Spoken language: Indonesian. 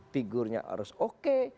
figurnya harus oke